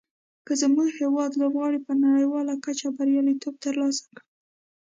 که زموږ هېواد لوبغاړي په نړیواله کچه بریالیتوب تر لاسه کړي.